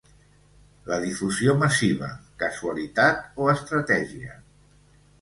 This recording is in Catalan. La difusió massiva: casualitat o estratègia?